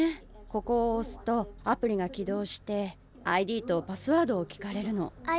ここをおすとアプリがきどうしてＩＤとパスワードを聞かれるの。